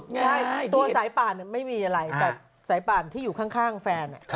ใช่ตัวสายป่านไม่มีอะไรแต่สายป่านที่อยู่ข้างแฟน